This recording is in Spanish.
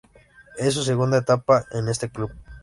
Es su segunda etapa en este club.